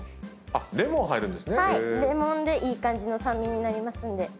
レモンでいい感じの酸味になりますんで。